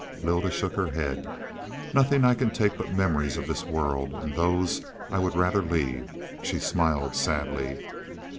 Lylda shook her head. "Nothing can I take but memories of this world, and those would I rather leave." She smiled sadly.